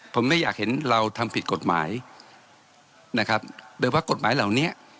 ผมไม่อยากเห็นเราทำผิดกฎหมายนะครับโดยภาคกฎหมายเหล่านี้